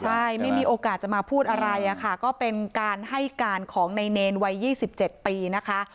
ใช่ไม่มีโอกาสจะมาพูดอะไรค่ะก็เป็นการให้การของในเนรวัย๒๗ปีนะคะ